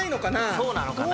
そうなのかな。